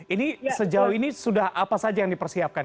ini sejauh ini sudah apa saja yang dipersiapkan